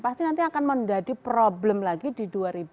pasti nanti akan menjadi problem lagi di dua ribu dua puluh